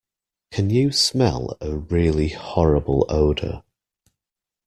Can you smell a really horrible odour?